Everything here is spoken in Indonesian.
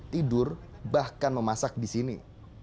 tidur bahkan memasak di sini